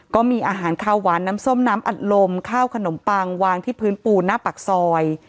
ก็มีอาหารข้าวหวานน้ำส้มน้ำอัดลมข้าวขนมปังวางที่พื้นปูนหน้าปากซอย